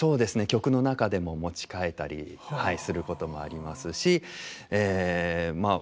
曲の中でも持ち替えたりすることもありますしまあ